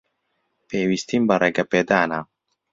پێویستیم بە ڕێگەپێدانە.